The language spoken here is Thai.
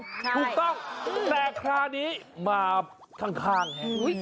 ถูกต้องแต่คลานี้มาข้างแหละ